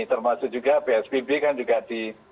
termasuk juga psbb kan juga di